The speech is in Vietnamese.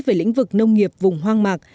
về lĩnh vực nông nghiệp vùng hoang mạc